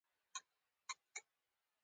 څلورم پروګرام انفرادي پروګرام دی.